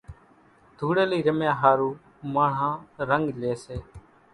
ڌوڙيلي رميا ۿارو ماڻۿان رنڳ لئي سي